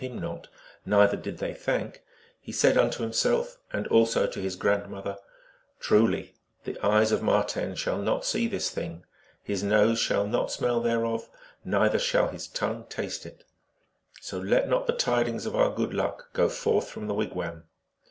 141 him not, neither did they thank, he said unto himself, and also to his grandmother, " Truly, the eyes of Mar ten shall not see this thing, his nose shall not smell thereof, neither shall his tongue taste it ; so let not the tidings of our good luck go forth from the wigwam."